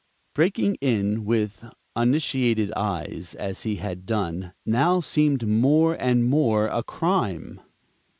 Breaking in with uninitiated eyes, as he had done, now seemed more and more a crime.